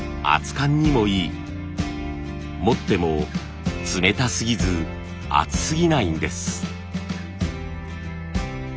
持っても冷たすぎず熱すぎないんです。